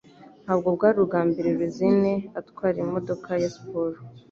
Ntabwo bwari ubwa mbere Rusine atwara imodoka ya siporo